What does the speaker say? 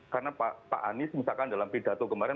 karena pak anies misalkan dalam pidato kemarin